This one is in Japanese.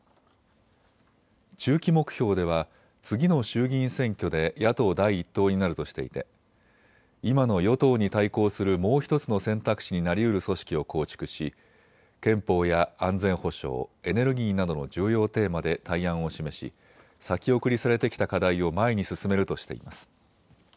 中期目標では次の衆議院選挙で野党第一党になるとしていて今の与党に対抗するもう１つの選択肢になりうる組織を構築し憲法や安全保障、エネルギーなどの重要テーマで対案を示し、先送りされてきた課題を前に進めるとしています。